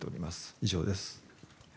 以上です。